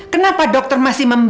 kenapa dokter masih mengecek